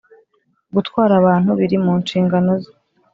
gutwara abantu biri mu nshingano ze